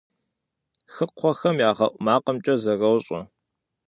Хыкхъуэхэм ягъэӏу макъымкӏэ зэрощӏэ.